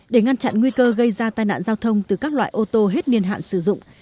để ngăn chặn nguy cơ gây ra tai nạn giao thông từ các loại ô tô hết niên hạn sử dụng